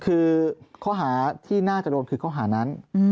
คือข้อหาที่น่าจะโดนคือข้อหานั้น